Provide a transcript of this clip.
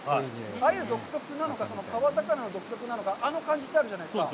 アユ独特なのか、川魚独特なのか、あの感じってあるじゃないですか。